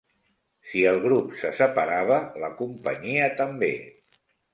Si el grup se separava, la companyia també.